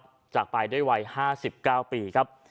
จากไปด้วยวัย๕๙ปีครับ